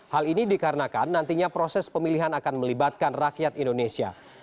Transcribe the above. hal ini dikarenakan nantinya proses pemilihan akan melibatkan rakyat indonesia